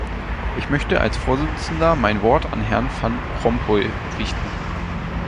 Ich möchte als Vorsitzender mein Wort an Herrn Van Rompuy richten.